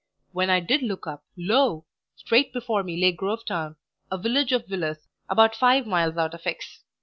When I did look up, lo! straight before me lay Grovetown, a village of villas about five miles out of X